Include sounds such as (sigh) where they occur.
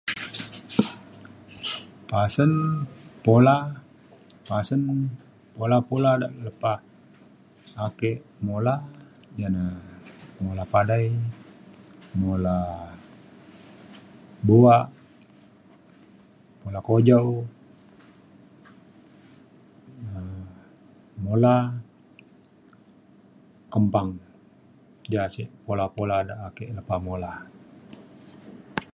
(noise) pasen pula pasen pula pula walau pula ake mula ngan paday mula dua mula kujo um mula kumpang ya sik mula mula pada ake lepa pula.